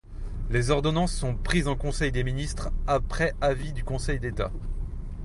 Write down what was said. Les ordonnances sont prises en Conseil des Ministres après avis du Conseil d'État.